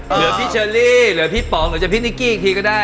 เหลือพี่เชอรี่เหลือพี่ป๋องหรือจะพี่นิกกี้อีกทีก็ได้